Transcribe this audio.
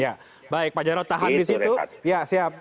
ya baik pak jarod tahan disitu ya siap